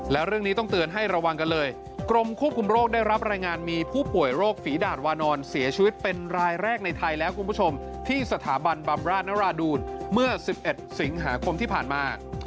และเรื่องนี้ต้องเตือนให้ระวังกันเลยกรมควบคุมโรคได้รับรายงานมีผู้ป่วยโรคฝีดาดวานอนเสียชีวิตเป็นรายแรกในไทยแล้วคุณผู้ชมที่สถาบันบำราชนราดูลเมื่อ๑๑สิงหาคมที่ผ่านมา